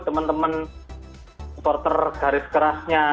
teman teman supporter garis kerasnya